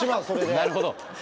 なるほど。